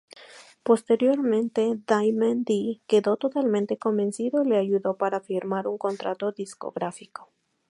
Posteriormente, Diamond D quedó totalmente convencido y le ayudó para firmar un contrato discográfico.